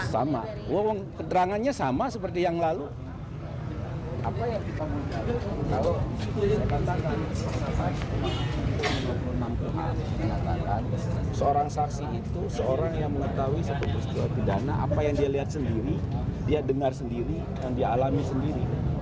seorang saksi itu seorang yang mengetahui sebuah sebuah pidana apa yang dia lihat sendiri dia dengar sendiri dan dia alami sendiri